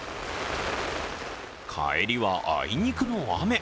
帰りはあいにくの雨。